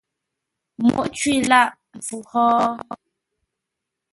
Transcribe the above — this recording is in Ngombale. Mǒghʼ cwî lâʼ mpfu hó?